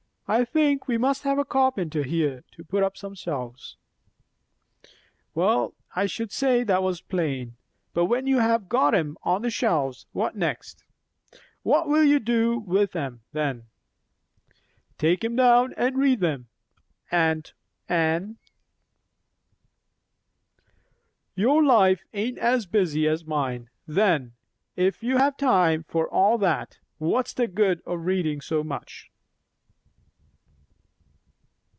I think we must have the carpenter here, to put up some shelves." "Well I should say that was plain. But when you have got 'em on the shelves, what next? What will you do with 'em then?" "Take 'em down and read them, aunt Anne." "Your life ain't as busy as mine, then, if you have time for all that. What's the good o' readin' so much?"